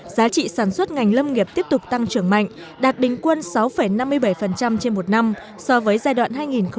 giá trị sản xuất ngành lâm nghiệp tiếp tục tăng trưởng mạnh đạt bình quân sáu năm mươi bảy trên một năm so với giai đoạn hai nghìn một mươi một hai nghìn một mươi tám